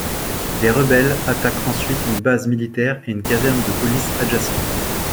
Les rebelles attaquent ensuite une base militaire et une caserne de police adjacent.